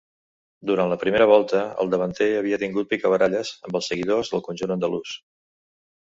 Durant la primera volta, el davanter havia tingut picabaralles amb els seguidors del conjunt andalús.